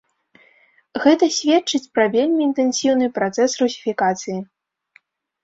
Гэта сведчыць пра вельмі інтэнсіўны працэс русіфікацыі.